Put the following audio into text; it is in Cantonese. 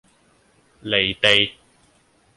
離地